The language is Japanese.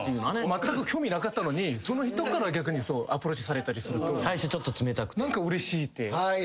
まったく興味なかったのにその人から逆にアプローチされたりすると何かうれしいって。